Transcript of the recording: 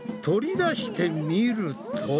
取り出してみると。